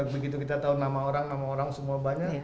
begitu kita tahu nama orang nama orang semua banyak